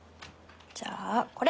じゃあこれ！